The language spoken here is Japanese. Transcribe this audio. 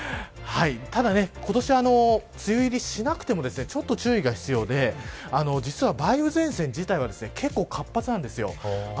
ただ今年は、梅雨入りしなくてもちょっと注意が必要で実は梅雨前線自体は結構、活発なんです。